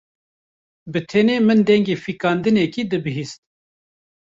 Bi tenê min dengê fîkandinekê dibihîst.